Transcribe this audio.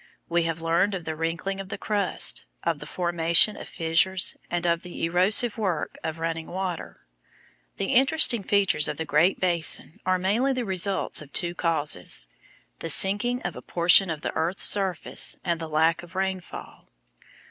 We have learned of the wrinkling of the crust, of the formation of fissures, and of the erosive work of running water. The interesting features of the Great Basin are mainly the result of two causes: the sinking of a portion of the earth's surface, and the lack of rainfall.